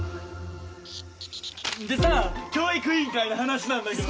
でさ教育委員会の話なんだけど。